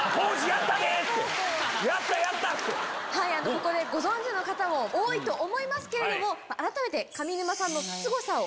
ここでご存じの方も多いと思いますけれども改めて上沼さんのすごさを。